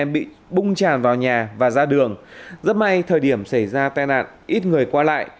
bị bung tràn vào nhà và ra đường rất may thời điểm xảy ra tai nạn ít người qua lại